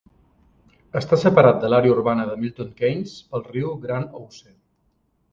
Està separat de l'àrea urbana de Milton Keynes pel riu Gran Ouse.